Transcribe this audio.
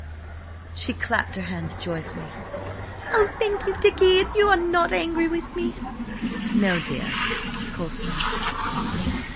She clapped her hands joyfully. "Oh thank you, Dicky! And you are not angry with me?" "No, dear, of course not."